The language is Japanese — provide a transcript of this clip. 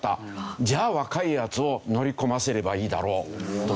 じゃあ若いヤツを乗り込ませればいいだろうと。